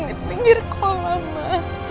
di pinggir kolam ma